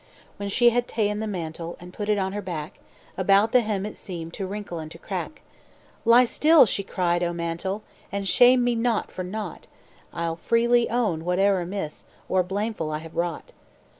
"When she had ta'en the mantle, And put it on her back, About the hem it seemed To wrinkle and to crack. "'Lie still,' she cried, 'O mantle! And shame me not for naught; I'll freely own whate'er amiss Or blameful I have wrought.